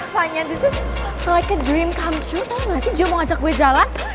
vanya ini kayak mimpi yang tiba tiba ternyata mau jalan